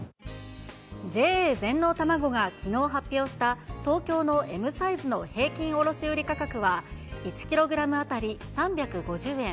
ＪＡ全農たまごがきのう発表した東京のＭサイズの平均卸売り価格は、１キログラム当たり３５０円。